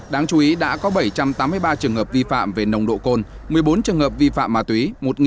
đáng chú ý đã có bảy trăm tám mươi ba trường hợp vi phạm về nồng độ cồn một mươi bốn trường hợp vi phạm ma túy